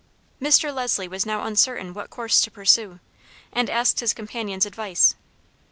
Mr. Leslie was now uncertain what course to pursue, and asked his companion's advice.